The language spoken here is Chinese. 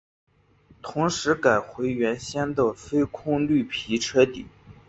同时改回原先的非空绿皮车底。